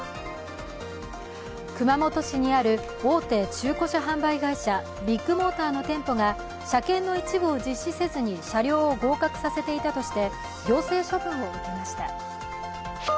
熊本市にある大手中古車販売会社、ビッグモーターの店舗が車検の一部を実施せずに車両を合格させていたとして行政処分を受けました。